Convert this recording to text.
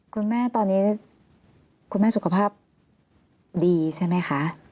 คุณแม่ตอนนี้คุณแม่สุขภาพดีใช่ไหมคะ